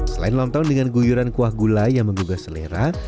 selain lontong dengan guyuran kuah gula yang menggugah selera